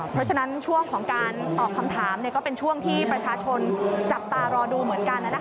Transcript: เพราะฉะนั้นช่วงของการตอบคำถามก็เป็นช่วงที่ประชาชนจับตารอดูเหมือนกัน